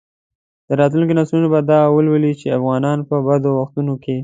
راتلونکي نسلونه به دا ولولي چې افغانانو په بدو وختونو کې.